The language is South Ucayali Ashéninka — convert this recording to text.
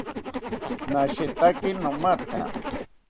Nashetaki nomatha